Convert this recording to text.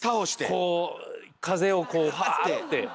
こう風をこうファって。